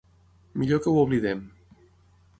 Millor que ho oblidem.